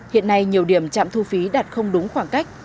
hiện nay nhiều điểm trạm thu phí đạt không đúng khoảng cách